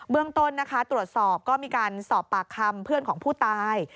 เรื่องต้นนะคะตรวจสอบก็มีการสอบปากคำเพื่อนของผู้ตาย